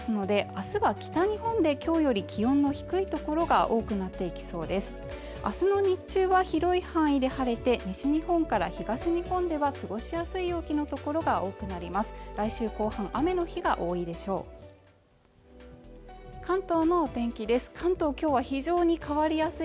明日の日中は広い範囲で晴れて西日本から東日本では過ごしやすい陽気の所が多くなります来週後半雨の日が多いでしょ関東の天気です